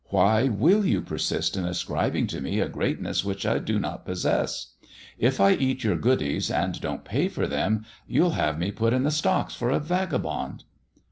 Why will you persist in ascribing to me a greatness which I do not possess ] If I eat your goodies and don't pay for them, you'll have me put in the stocks for a vagabond."